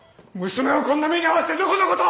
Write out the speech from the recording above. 娘をこんな目に遭わせてノコノコと！